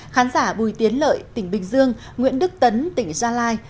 khán giả bùi tiến lợi tỉnh bình dương nguyễn đức tấn tỉnh gia lai